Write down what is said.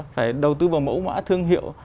phải đầu tư vào mẫu mã thương hiệu